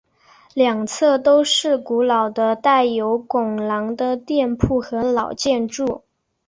两侧都是古老的带有拱廊的店铺和老建筑。